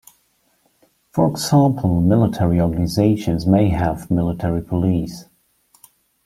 For example, military organizations may have military police.